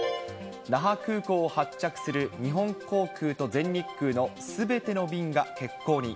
那覇空港を発着する日本航空と全日空のすべての便が欠航に。